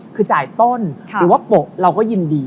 คือจ่ายต้นหรือว่าโปะเราก็ยินดี